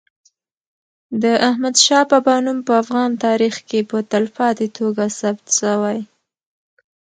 د احمد شاه بابا نوم په افغان تاریخ کي په تلپاتې توګه ثبت سوی.